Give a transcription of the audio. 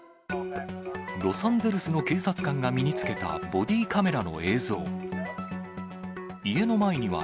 ロサンゼルスの警察官が身につけたボディーカメラの映像。